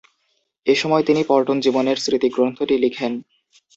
এ সময় তিনি পল্টন জীবনের স্মৃতি গ্রন্থটি লিখেন।